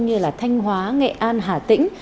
như là thanh hóa nghệ an hà tĩnh